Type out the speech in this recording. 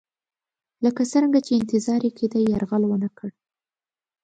لکه څرنګه چې انتظار یې کېدی یرغل ونه کړ.